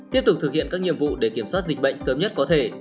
tiếp tục thực hiện các nhiệm vụ để kiểm soát dịch bệnh sớm nhất có thể